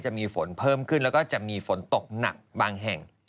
จะมีฝนเพิ่มขึ้นแล้วก็จะมีฝนตกหนักบางแห่ง